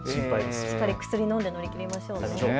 しっかり薬飲んで乗り切りましょう。